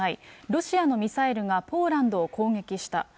ロシアのミサイルがポーランドを攻撃した。